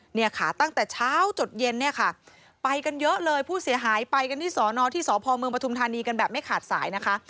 เนี่ยค่ะตั้งแต่เช้าจดเย็นเนี่ยค่ะไปกันเยอะเลยผู้เสียหายไปกันที่สอนอที่สพเมืองปฐุมธานีกันแบบไม่ขาดสายนะคะ